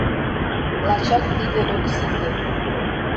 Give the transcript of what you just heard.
Лачак тиде ок сите...